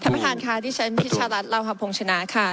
ท่านประธานค่ะดิฉันพิชารัฐลาวพงษ์ชนะค่ะ